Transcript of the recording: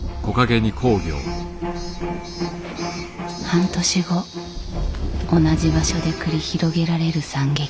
半年後同じ場所で繰り広げられる惨劇。